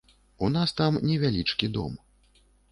У нас там невялічкі дом.